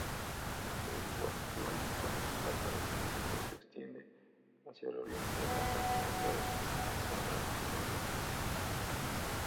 Desde Guasdualito la carretera nacional se extiende hacia el oriente hasta conectar con Elorza.